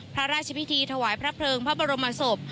พระราชพิธีถวายพระเพลิงพระบรมศพ